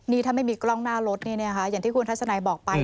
นี่ถ้าไม่มีกล้องหน้ารถนี่นะคะอย่างที่คุณทัศนัยบอกไป